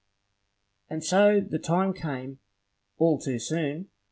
And so the time came, all too soon!